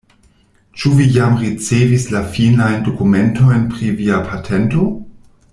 Ĉu vi jam ricevis la finajn dokumentojn pri via patento?